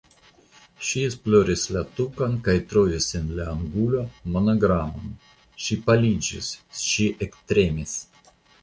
Ŝi esploris la tukon kaj trovis en la angulo monogramon; ŝi paliĝis, ŝi ektremis.